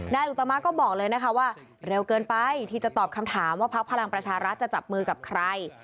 อุตมะก็บอกเลยนะคะว่าเร็วเกินไปที่จะตอบคำถามว่าพักพลังประชารัฐจะจับมือกับใคร